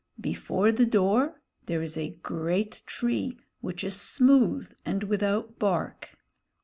Before the door there is a great tree, which is smooth and without bark.